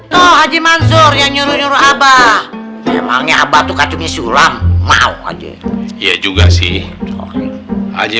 tuh haji mansur yang nyuruh nyuruh abah emangnya abah tuh katumi sulam mau aja iya juga sih haji